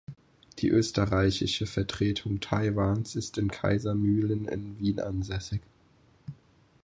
Die österreichische Vertretung Taiwans ist in Kaisermühlen in Wien ansässig.